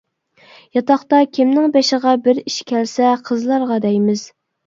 . ياتاقتا كىمنىڭ بېشىغا بىر ئىش كەلسە، قىزلارغا دەيمىز.